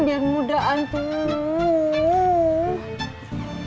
biar mudahan tuh